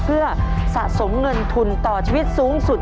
เพื่อสะสมเงินทุนต่อชีวิตสูงสุด